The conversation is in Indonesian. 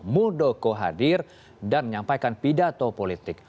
muldoko hadir dan menyampaikan pidato politik